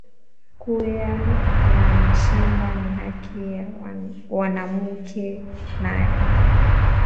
Kuya na mashamba ni haki ya mwanamuke nayo